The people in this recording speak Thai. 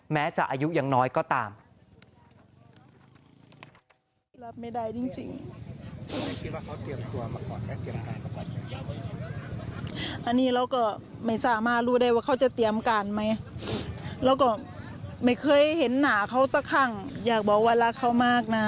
แม้จะอายุยังน้อยก็ตาม